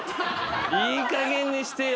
いいかげんにしてよ